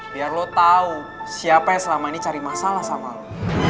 biar lo tahu siapa yang selama ini cari masalah sama lo